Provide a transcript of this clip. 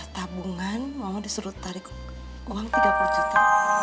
tabungan mau disuruh tarik uang tiga puluh juta